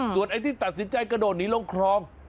ส่วนไอ้ที่ตัดสินใจกระโดดหนีลงคลอง